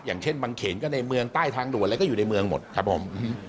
อย่างเช่นบางเขนก็ในเมืองใต้ทางด่วนอะไรก็อยู่ในเมืองหมดครับผม